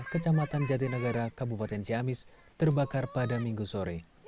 kecamatan jati negara kabupaten ciamis terbakar pada minggu sore